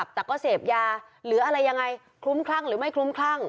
แต่ก็เสพยาหรืออะไรยังไงคลุ้มคลั่งหรือไม่คลุ้มคลั่ง